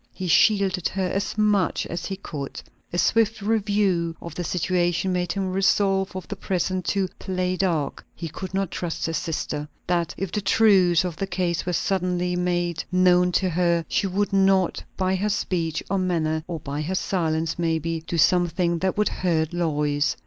He shielded her as much as he could. A swift review of the situation made him resolve for the present to "play dark." He could not trust his sister, that if the truth of the case were suddenly made known to her, she would not by her speech, or manner, or by her silence maybe, do something that would hurt Lois.